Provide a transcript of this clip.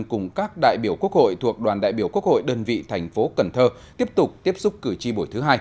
cùng các đại biểu quốc hội thuộc đoàn đại biểu quốc hội đơn vị thành phố cần thơ tiếp tục tiếp xúc cử tri buổi thứ hai